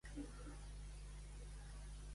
El calendari dels divuit mesos es manté intacte.